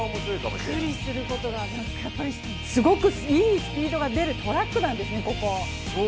びっくりすることが、すごくいいスピードが出るトラックなんですね、ここは。